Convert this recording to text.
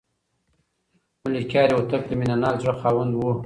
ملکیار هوتک د مینه ناک زړه خاوند و.